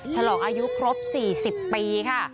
ฉลองอายุครบ๔๐ปีค่ะ